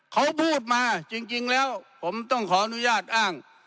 เขาพูดมาจริงแล้วผมต้องขออนุญาตอ้าง